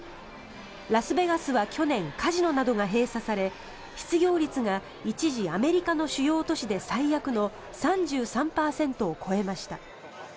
ラスベガスは去年カジノなどが閉鎖され失業率が一時アメリカの主要都市で最悪の３３％を超えました。